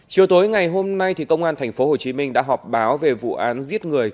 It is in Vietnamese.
chiều tối ngày hôm nay tổng an tp hồ chí minh đã họp báo về vụ án giết người